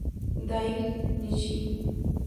Daigo Nishi